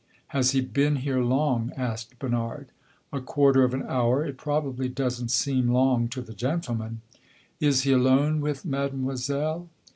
"Has he been here long?" asked Bernard. "A quarter of an hour. It probably does n't seem long to the gentleman!" "Is he alone with Mademoiselle?"